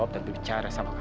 aku mau balik ke lihat kus